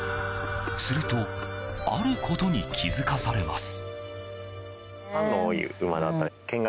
するとあることに気づかされます。